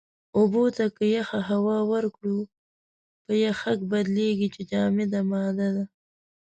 اوبو ته که يخه هوا ورکړو، په يَخٔک بدلېږي چې جامده ماده ده.